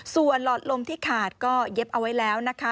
ส่วนหลอดลมที่ขาดก็เย็บเอาไว้แล้วนะคะ